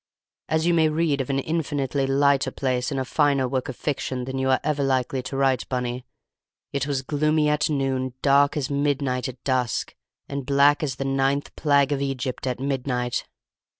As you may read of an infinitely lighter place, in a finer work of fiction than you are ever likely to write, Bunny, it was 'gloomy at noon, dark as midnight at dusk, and black as the ninth plague of Egypt at midnight.